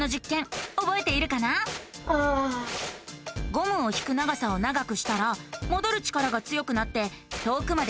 ゴムを引く長さを長くしたらもどる力が強くなって遠くまでうごいたよね。